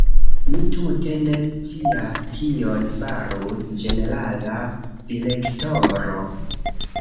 Mi tute ne scias kion farus ĝenerala direktoro.